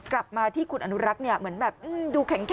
กลับมาที่คุณอนุรักษ์เหมือนแบบดูแข็งเนอะ